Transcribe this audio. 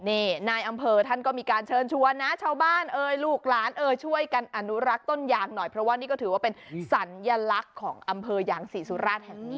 นี่นายอำเภอท่านก็มีการเชิญชวนนะชาวบ้านเอ่ยลูกหลานเอ่ยช่วยกันอนุรักษ์ต้นยางหน่อยเพราะว่านี่ก็ถือว่าเป็นสัญลักษณ์ของอำเภอยางศรีสุราชแห่งนี้